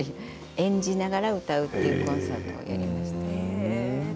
演じながらというコンサートをやりました。